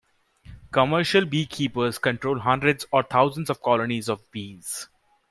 Commercial beekeepers control hundreds or thousands of colonies of bees.